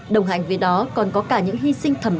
đồng hành với đó còn có cả những hy sinh thầm